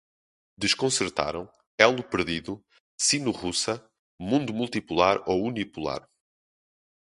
Desconcertaram, elo perdido, sino-russa, mundo multipolar ou unipolar